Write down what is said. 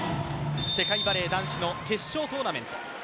世界バレー男子の決勝トーナメント。